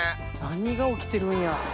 何が起きてるんや。